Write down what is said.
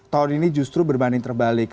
tahun ini justru berbanding terbalik